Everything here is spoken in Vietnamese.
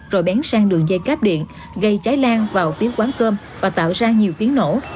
rồi bén sang đường dây cáp điện gây cháy lan vào tiếng quán cơm và tạo ra nhiều tiếng nổ